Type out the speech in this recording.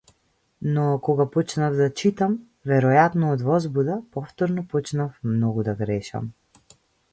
Но кога почнав да читам, веројатно од возбуда, повторно почнав многу да грешам.